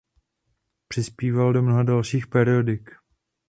Přispíval do mnoha dalších periodik.